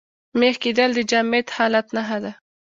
مېخ کېدل د جامد حالت نخښه ده.